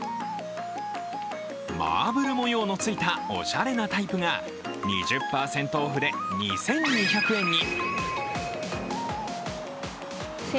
マーブル模様のついたおしゃれなタイプが２０％オフで２２００円に。